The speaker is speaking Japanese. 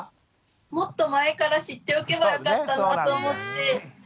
もっと前から知っておけばよかったなと思って。